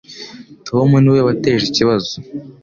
Tom niwe wateje ikibazo.